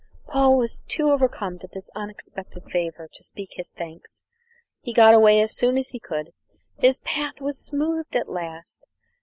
Paul was too overcome at this unexpected favour to speak his thanks. He got away as soon as he could. His path was smoothed at last!